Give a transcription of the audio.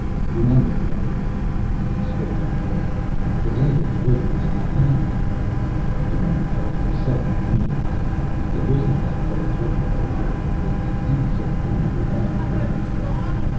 Remember, beloved one," he spoke to the Daughter, "the day of deliverance is at hand " Garin felt a sudden emptiness. The prisoner had called Thrala "beloved" with the ease of one who had the right.